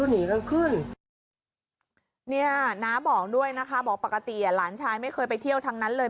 เนี่ยน้าบอกด้วยนะคะบอกปกติอ่ะหลานชายไม่เคยไปเที่ยวทั้งนั้นเลย